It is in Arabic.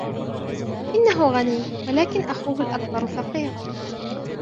إنه غني ولكن أخوه الأكبر فقير.